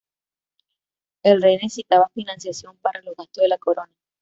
El rey necesitaba financiación para los gastos de la Corona.